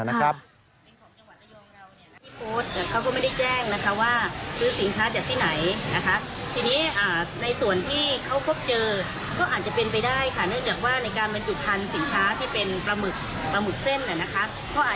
อย่าคิดว่าโดยความรู้สึกของตัวเองแล้ว